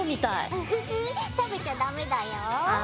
ウフフ食べちゃダメだよ。